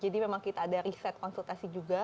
jadi memang kita ada riset konsultasi juga